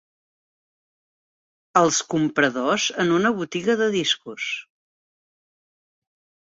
Els compradors en una botiga de discos.